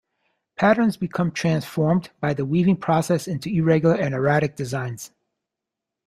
Patterns become transformed by the weaving process into irregular and erratic designs.